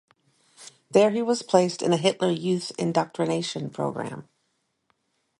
There he was placed in a Hitler Youth indoctrination program.